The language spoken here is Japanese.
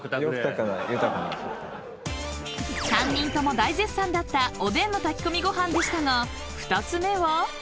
［３人とも大絶賛だったおでんの炊き込みご飯でしたが２つ目は？］